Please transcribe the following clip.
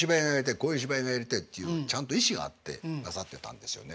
「こういう芝居がやりたい」っていうちゃんと意志があってなさってたんですよね。